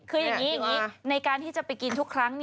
คืออย่างนี้ในการที่จะไปกินทุกครั้ง